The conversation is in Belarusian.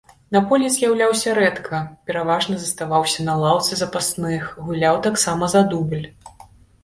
На полі з'яўляўся рэдка, пераважна заставаўся на лаўцы запасных, гуляў таксама за дубль.